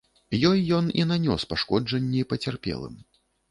Ёй ён і нанёс пашкоджанні пацярпелым.